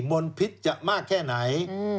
มนพิษจะมากแค่ไหน